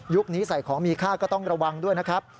นี้ใส่ของมีค่าก็ต้องระวังด้วยนะครับ